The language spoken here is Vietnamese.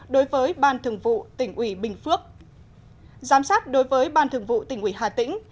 đối với ban thường vụ tỉnh ủy bình phước giám sát đối với ban thường vụ tỉnh ủy hà tĩnh